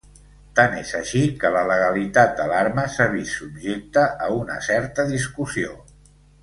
Tant és així que la legalitat de l'arma s'ha vist subjecta a una certa discussió.